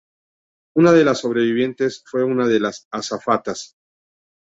Una de las sobrevivientes fue una de las azafatas.